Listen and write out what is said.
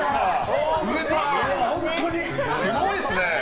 すごいですね。